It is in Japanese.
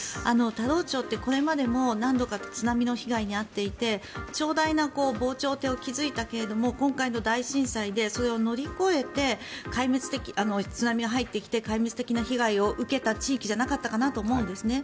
田老町ってこれまでも何度か津波の被害に遭っていて長大な防潮堤を築いたけれども今回の大震災でそれを乗り越えて津波が入ってきて壊滅的な被害を受けた地域じゃなかったかなと思うんです。